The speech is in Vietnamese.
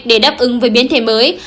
để đáp ứng với biến thể mới